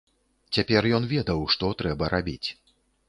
Цяпер ён ведаў, што трэба рабіць.